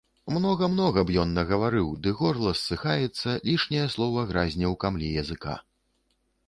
Многа-многа б ён нагаварыў, ды горла ссыхаецца, лішняе слова гразне ў камлі языка.